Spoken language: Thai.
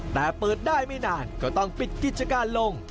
แต่เปิดได้ไม่นานก็ต้องปิดกิจการลง